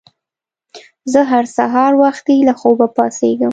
زه هر سهار وختي له خوبه پاڅیږم.